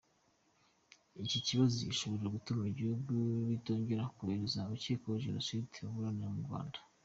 Iki kibazo gishobora gutuma ibihugu bitongera kohereza abakekwaho Jenoside kuburanira mu Rwanda.